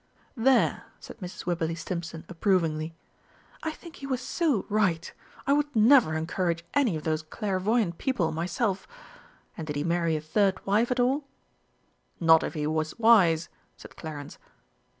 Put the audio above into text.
"There," said Mrs. Wibberley Stimpson approvingly, "I think he was so right. I would never encourage any of those clairvoyant people myself. And did he marry a third wife at all?" "Not if he was wise!" said Clarence.